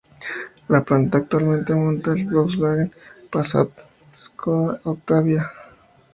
La planta actualmente monta el Volkswagen Passat y Skoda Octavia.